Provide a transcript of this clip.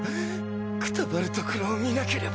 くたばるところを見なければ。